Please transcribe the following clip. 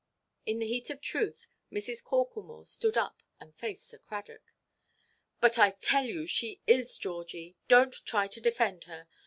In the heat of truth, Mrs. Corklemore stood up and faced Sir Cradock. "But I tell you she is, Georgie. Donʼt try to defend her.